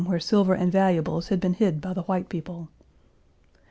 Page 403 silver and valuables had been hid by the white people.